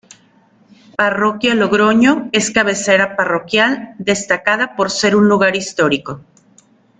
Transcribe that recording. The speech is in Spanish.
Parroquia Logroño es cabecera parroquial destacada por ser lugar histórico.